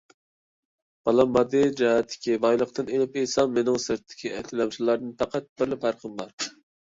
بالام، ماددىي جەھەتتىكى بايلىقتىن ئېلىپ ئېيتسام، مېنىڭ سىرتتىكى تىلەمچىلەردىن پەقەت بىرلا پەرقىم بار.